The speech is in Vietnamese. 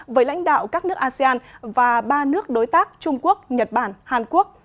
với lãnh đạo các nước asean và ba nước đối tác trung quốc nhật bản hàn quốc